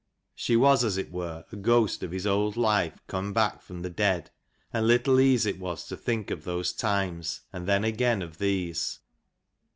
She was as it were a ghost of his old life come back from the dead, and little ease it was to think of those times, and then again of these.